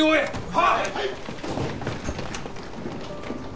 はい！